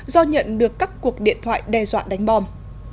do nhận được các cuộc điện thoại đe dọa đánh bom